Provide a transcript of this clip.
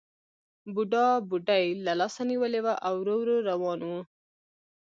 بوډا بوډۍ له لاسه نیولې وه او ورو ورو روان وو